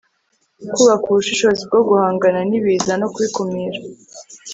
kubaka ubushobozi bwo guhangana n'ibiza no kubikumira